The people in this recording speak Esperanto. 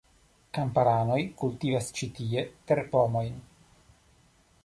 Kamparanoj kultivas ĉi tie terpomojn.